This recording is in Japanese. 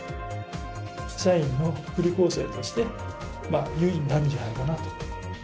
社員の福利厚生として優位になるんじゃないかなと。